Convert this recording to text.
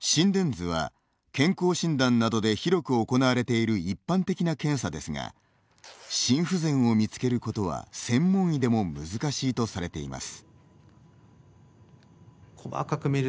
心電図は健康診断などで広く行われている一般的な検査ですが心不全を見つけることは専門医でも難しいとされています。